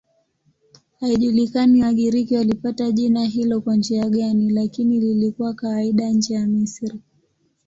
Haijulikani Wagiriki walipata jina hilo kwa njia gani, lakini lilikuwa kawaida nje ya Misri.